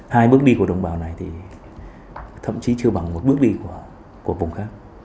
hai bước đi của đồng bào này thì thậm chí chưa bằng một bước đi của vùng khác